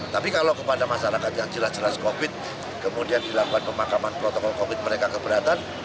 tapi kalau kepada masyarakat yang jelas jelas covid kemudian dilakukan pemakaman protokol covid mereka keberatan